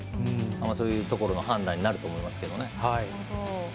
そういうところの判断になると思いますけどね。